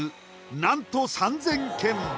なんと３０００件